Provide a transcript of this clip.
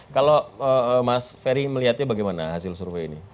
kalau mas ferry melihatnya bagaimana hasil survei ini